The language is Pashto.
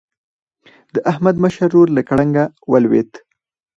د احمد مشر ورور له ګړنګ ولوېد.